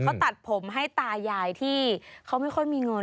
เขาตัดผมให้ตายายที่เขาไม่ค่อยมีเงิน